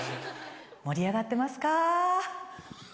盛り上がってますかー？